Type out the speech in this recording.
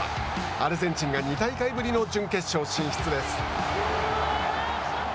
アルゼンチンが２大会ぶりの準決勝進出です。